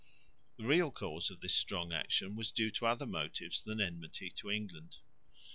The real cause of this strong action was due to other motives than enmity to England.